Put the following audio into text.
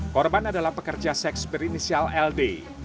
korban adalah pekerja seks berinisial ld